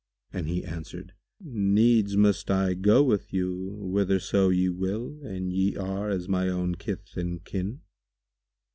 And he answered, "Needs must I go with you whitherso ye will and ye are as my own kith and kin."